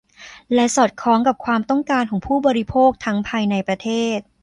และสอดคล้องกับความต้องการของผู้บริโภคทั้งภายในประเทศ